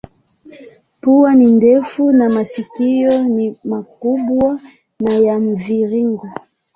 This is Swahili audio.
Pua ni ndefu na masikio ni makubwa na ya mviringo.